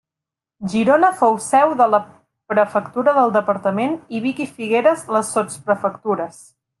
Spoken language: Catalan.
Girona fou seu de la prefectura del departament i Vic i Figueres les sotsprefectures.